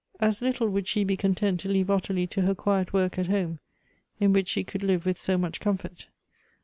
As little would she be content to leave Ottilie to her quiet work at home, in which she could live with so much comfort.